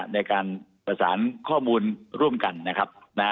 ในการประสานข้อมูลร่วมกันนะครับ